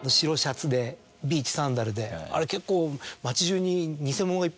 あれ結構。